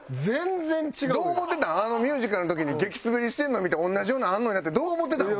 あのミュージカルの時に激スベりしてるの見て同じようなのあんのにってどう思ってたん？